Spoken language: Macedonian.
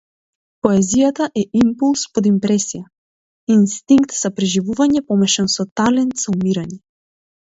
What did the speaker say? Поезијата е импулс под импресија, инстинкт за преживување помешан со талент за умирање.